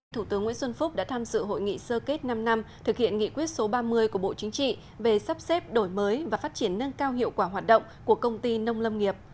thủ tướng nguyễn xuân phúc đã tham dự hội nghị sơ kết năm năm thực hiện nghị quyết số ba mươi của bộ chính trị về sắp xếp đổi mới và phát triển nâng cao hiệu quả hoạt động của công ty nông lâm nghiệp